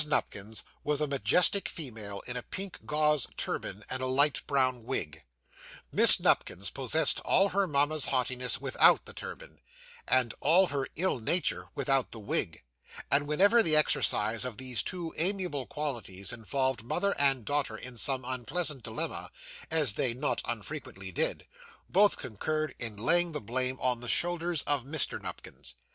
Nupkins was a majestic female in a pink gauze turban and a light brown wig. Miss Nupkins possessed all her mamma's haughtiness without the turban, and all her ill nature without the wig; and whenever the exercise of these two amiable qualities involved mother and daughter in some unpleasant dilemma, as they not infrequently did, they both concurred in laying the blame on the shoulders of Mr. Nupkins.